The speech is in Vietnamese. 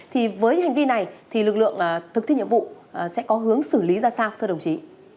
thì với hành vi này thì lực lượng thực thi nhiệm vụ sẽ có hướng xử lý ra sao thưa đồng chí